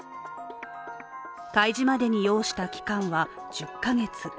開示までに要した期間は１０か月。